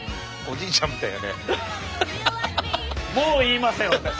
もう言いません私。